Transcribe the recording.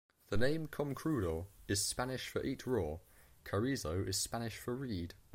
The name "Comecrudo" is Spanish for "eat-raw"; "Carrizo" is Spanish for "reed".